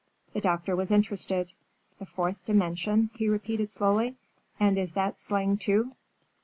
The doctor was interested. "The fourth dimension," he repeated slowly; "and is that slang, too?"